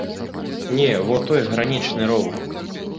Не, во той гранічны роў.